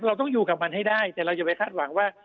เราต้องอยู่กับมันให้ได้แต่เราอย่าไปคาดหวังว่า